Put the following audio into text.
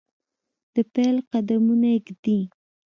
دپیل قدمونه ایږدي